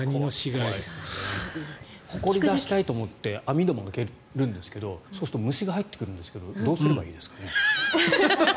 ほこり、出したいと思って網戸を開けるんですがそうすると虫が入ってくるんですがどうすればいいですかね。